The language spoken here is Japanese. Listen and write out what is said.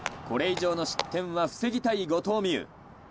これ以上の失点は防ぎたい後藤希友。